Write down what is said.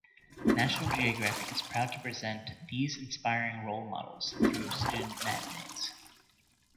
National Geographic is proud to present these inspiring role models through student matinees.